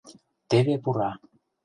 Теве пура...